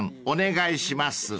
お願いします］